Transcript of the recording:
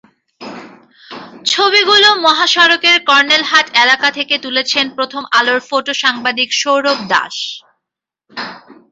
ছবিগুলো মহাসড়কের কর্নেলহাট এলাকা থেকে তুলেছেন প্রথম আলোর ফটো সাংবাদিক সৌরভ দাশ।